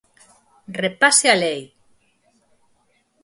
¡Repase a lei!